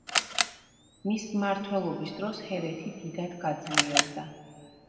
მისი მმართველობის დროს ჰერეთი დიდად გაძლიერდა.